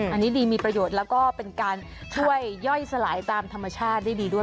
อันนี้ดีมีประโยชน์แล้วก็เป็นการช่วยย่อยสลายตามธรรมชาติได้ดีด้วย